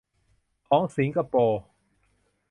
ของสิงคโปร์